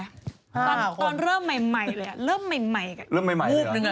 ตอนเริ่มเริ่มใหม่อ่ะ